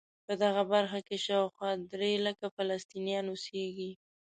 په دغه برخه کې شاوخوا درې لکه فلسطینیان اوسېږي.